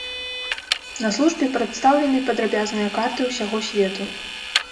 На службе прадстаўлены падрабязныя карты усяго свету.